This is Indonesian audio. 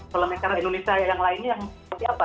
selemekan indonesia yang lainnya seperti apa